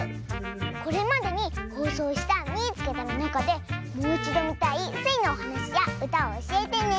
これまでにほうそうした「みいつけた！」のなかでもういちどみたいスイのおはなしやうたをおしえてね！